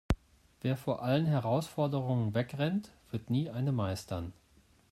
Wer vor allen Herausforderungen wegrennt, wird nie eine meistern.